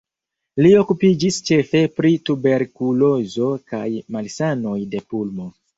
Li okupiĝis ĉefe pri tuberkulozo kaj malsanoj de pulmo.